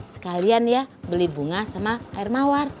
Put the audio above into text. sekalian ya beli bunga sama air mawar